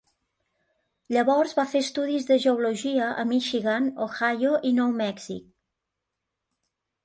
Llavors va fer estudis de geologia a Michigan, Ohio i Nou Mèxic.